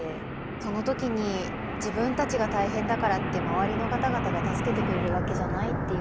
その時に自分たちが大変だからって周りの方々が助けてくれるわけじゃないっていうのが。